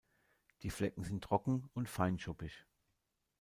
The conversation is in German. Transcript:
Die Flecken sind trocken und fein-schuppig.